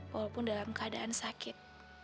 walaupun dalam keadaan sakit